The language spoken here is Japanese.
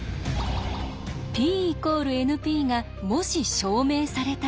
Ｐ＝ＮＰがもし証明されたら。